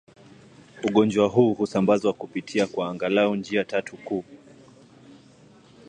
Ugonjwa huu husambazwa kupitia kwa angalau njia tatu kuu